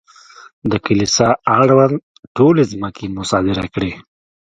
د کلیسا اړونده ټولې ځمکې مصادره کړې.